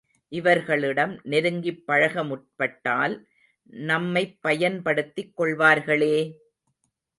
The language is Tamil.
இவர்களிடம் நெருங்கிப் பழக முற்பட்டால் நம்மைப் பயன்படுத்திக் கொள்வார்களே!